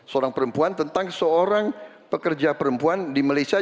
seorang perempuan tentang seorang pekerja perempuan di malaysia